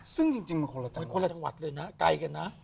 ซึ่งจริงมันคนละจังหวัดเลยนะไกลกันนะ